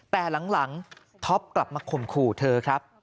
แต่หลังท็อปกลับมาข่มขู่เธอครับ